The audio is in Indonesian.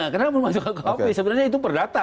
kenapa dimasukkan ke kuhp sebenarnya itu perdata